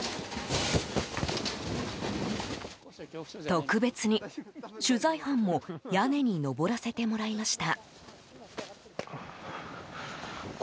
特別に、取材班も屋根に上らせてもらいました。